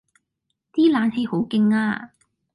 啲冷氣好勁呀